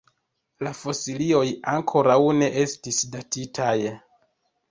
La fosilioj ankoraŭ ne estis datitaj.